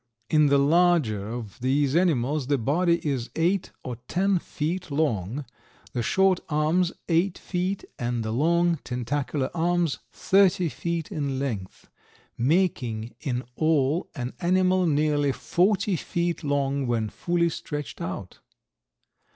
In the larger of these animals the body is eight or ten feet long, the short arms eight feet and the long, tentacular arms thirty feet in length, making in all an animal nearly forty feet long when fully stretched out!